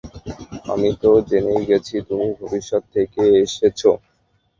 আমি তো জেনেই গেছি তুমি ভবিষ্যত থেকে এসেছো।